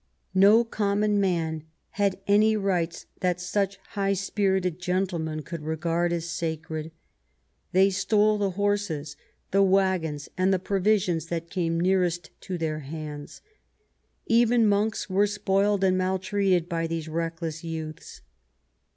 No common man had any rights that such high spirited gentlemen could regard as sacred. They stole the horses, the waggons, and the provisions that came nearest to their hands. Even monks were spoiled and maltreated by these reckless youths.